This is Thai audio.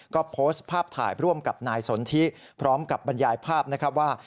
ก็โพสต์ภาพถ่ายร่วมกับนายสนทิพร้อมกับบรรยายภาพนะครับว่า